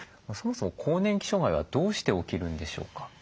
そもそも更年期障害はどうして起きるんでしょうか？